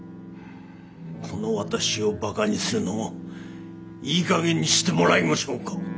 この私をばかにするのもいいかげんにしてもらいましょうか。